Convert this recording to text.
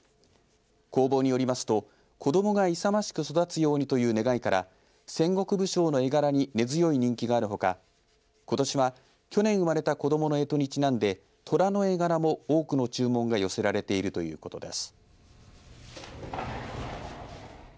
工房によりますと子どもが勇ましく育つようにという願いから戦国武将の絵柄に根強い人気があるほかことしは去年生まれた子どものえとにちなんで虎の絵柄も多くの注文が寄せられているということです。